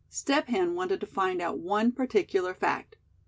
Step Hen wanted to find out one particular fact.